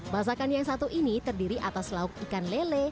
masakan yang satu ini terdiri atas lauk ikan lele